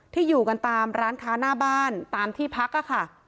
อยู่กันตามร้านค้าหน้าบ้านตามที่พักค่ะ